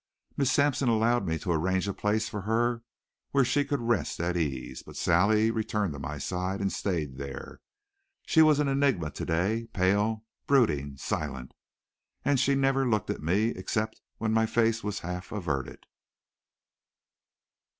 Miss Sampson allowed me to arrange a place for her where she could rest at ease, but Sally returned to my side and stayed there. She was an enigma to day pale, brooding, silent and she never looked at me except when my face was half averted.